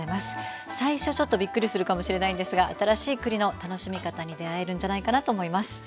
最初ちょっとびっくりするかもしれないんですが新しい栗の楽しみ方に出会えるんじゃないかなと思います。